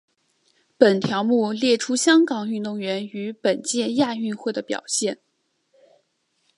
本条目列出香港运动员于本届亚运会的表现。